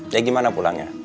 jadi gimana pulangnya